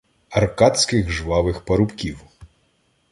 Аркадських жвавих парубків